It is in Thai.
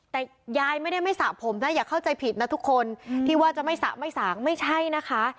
แต่ยายไม่ได้ไม่สระผมนะอย่าเข้าใจผิดนะทุกคนที่ว่าจะไม่สระไม่สางไม่ใช่นะคะ